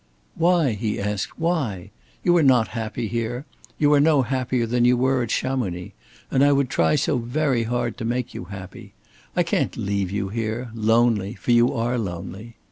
"Why?" he asked, "why? You are not happy here. You are no happier than you were at Chamonix. And I would try so very hard to make you happy. I can't leave you here lonely, for you are lonely.